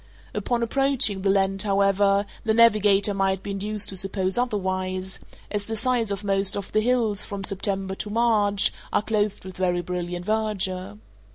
Upon approaching the land, however, the navigator might be induced to suppose otherwise, as the sides of most of the hills, from September to March, are clothed with very brilliant verdure.